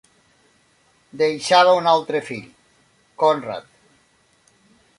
Deixava un altre fill, Conrad.